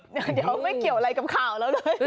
เดี๋ยวไม่เกี่ยวอะไรกับข่าวแล้วเลย